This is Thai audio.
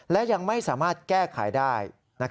และยังไม่สามารถแก้ไขได้